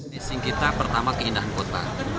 fishing kita pertama keindahan kota